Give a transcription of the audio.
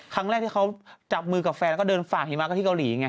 ครั้งแรกที่เขาจับมือกับแฟนแล้วก็เดินฝากหิมะก็ที่เกาหลีไง